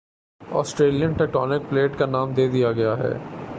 Australian tectonic plate کا نام دیا گیا ہی